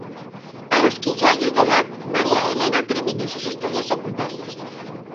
A los quince años de edad, María Elena terminó sus estudios secundarios.